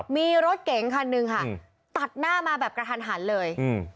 มีรถเก๋งคันนึงค่ะตัดหน้ามาแบบกระทันเลย